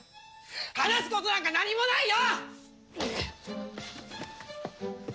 話すことなんか何もないよ！！